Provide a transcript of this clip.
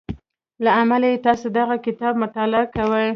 له امله یې تاسې دغه کتاب مطالعه کوئ